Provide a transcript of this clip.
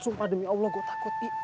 sumpah demi allah gue takuti